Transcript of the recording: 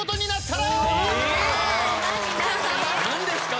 何ですか？